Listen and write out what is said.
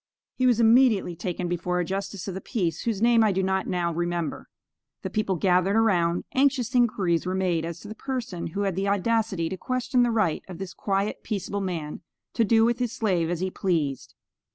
He was immediately taken before a Justice of the Peace, whose name I do not now remember. The people gathered around; anxious inquiries were made as to the person who had the audacity to question the right of this quiet, peaceable man to do with his slave as he pleased.